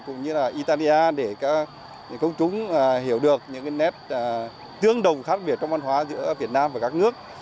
cũng như là italia để công chúng hiểu được những nét tương đồng khác biệt trong văn hóa giữa việt nam và các nước